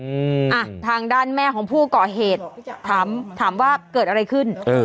อืมอ่ะทางด้านแม่ของผู้ก่อเหตุถามถามว่าเกิดอะไรขึ้นเออ